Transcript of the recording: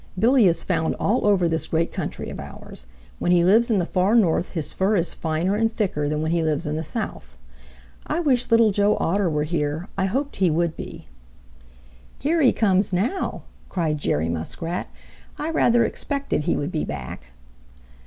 Billy is found all over this great country of ours. When he lives in the Far North his fur is finer and thicker than when he lives in the South. I wish Little Joe Otter were here. I hoped he would be." "Here he comes now," cried Jerry Muskrat. "I rather expected he would be back."